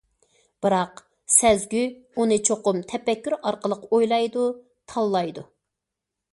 بىراق سەزگۈ ئۇنى چوقۇم تەپەككۇر ئارقىلىق ئويلايدۇ، تاللايدۇ.